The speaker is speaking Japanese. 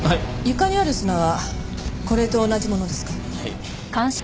床にある砂はこれと同じものですか？